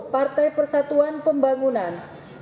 partai persatuan pembangunan